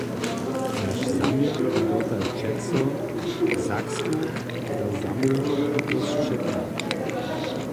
Naš zaměr bě dotal přeco, Saksku do zamołwitosće brać.